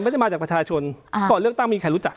ไม่ได้มาจากประชาชนก่อนเลือกตั้งมีใครรู้จัก